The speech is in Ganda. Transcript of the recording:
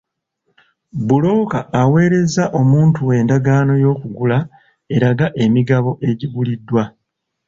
Bbulooka aweereza omuntu we endagaano y'okugula eraga emigabo egiguliddwa.